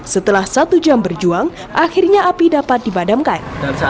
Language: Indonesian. setelah satu jam berjuang akhirnya api dapat dibadamkan